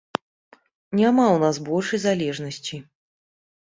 Няма ў нас большай залежнасці.